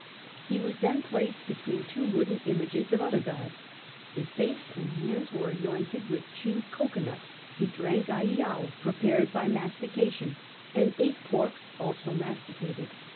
He was then placed between two wooden images of other gods ; his face and hands were anointed with chewed cocoa nut; he diunk aeotv prepared by mastication, and ate pork also masticated.